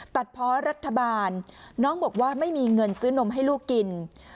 ตัดเพราะรัฐบาลน้องบอกว่าไม่มีเงินซื้อนมให้ลูกกิน